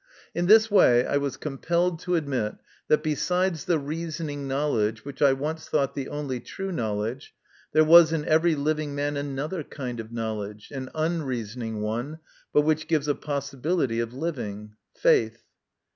In this way I was compelled to admit that, besides the reasoning knowledge, which I once thought the only true knowledge, there was in every living man another kind of knowledge, an unreasoning one, but which gives a possibility of living faith.